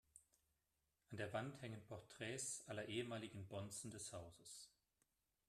An der Wand hängen Porträts aller ehemaligen Bonzen des Hauses.